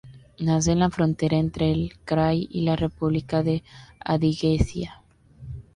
Nace en la frontera entre el krai y la república de Adiguesia.